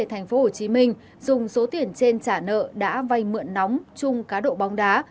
thắng trốn về tp hcm dùng số tiền trên trả nợ đã vay mượn nóng chung cá độ bóng đá